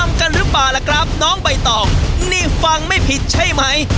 กันหรือเปล่าล่ะครับน้องใบตองนี่ฟังไม่ผิดใช่ไหม